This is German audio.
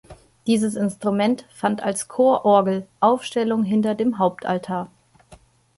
Dieses Instrument fand als Chororgel Aufstellung hinter dem Hauptaltar.